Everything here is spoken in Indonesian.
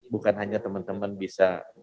bukan hanya teman teman bisa